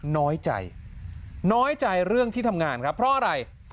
น้อยใจน้อยใจเรื่องที่ทำงานครับเพราะอะไร